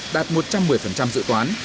đạt một trăm một mươi dự toán